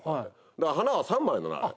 だから花は３枚なのあれ。